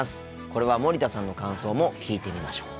これは森田さんの感想も聞いてみましょう。